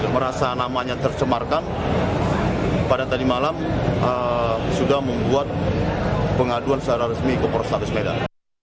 merasa namanya tercemarkan pada tadi malam sudah membuat pengaduan secara resmi ke polrestabes medan